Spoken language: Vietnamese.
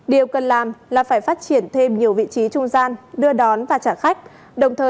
điều cần làm là phải phát triển thêm nhiều vị trí trung gian đưa đón và trả khách